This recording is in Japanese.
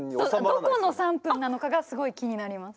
どこの３分なのかがすごい気になります。